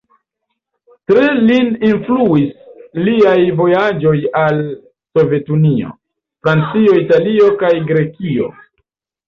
Tre lin influis liaj vojaĝoj al Sovetunio, Francio, Italio kaj Grekio.